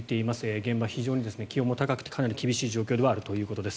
現場、非常に気温も高くてかなり厳しい状況ではあるということです。